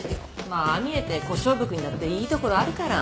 まあああ見えて小勝負君にだっていいところあるから。